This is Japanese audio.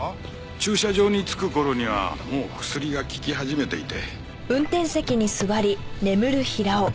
駐車場に着く頃にはもう薬が効き始めていて。